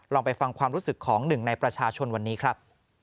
ไปฟังความรู้สึกของหนึ่งในประชาชนวันนี้ครับ